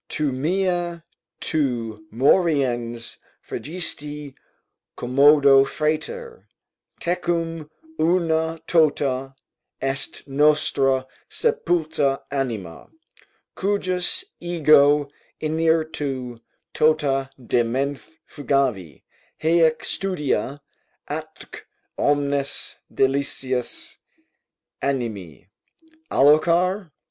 Tu mea, tu moriens fregisti commoda, frater; Tecum una tota est nostra sepulta anima Cujus ego interitu tota de menthe fugavi Haec studia, atque omnes delicias animi. Alloquar?